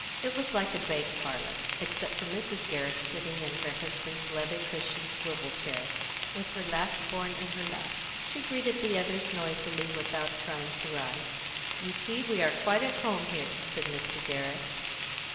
It was like a bank parlour, except for Mrs. Gerrish sitting in her husband's leather cushioned swivel chair, with her last born in her lap; she greeted the others noisily, without trying to rise. "You see we are quite at home here," said Mr. Gerrish.